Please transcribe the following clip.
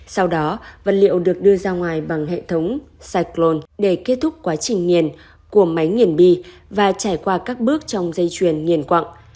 sau đó vật liệu được đưa ra ngoài bằng hệ thống cyclon để kết thúc quá trình nghiền của máy nghiền bi và trải qua các bước trong dây chuyền nghiền quặng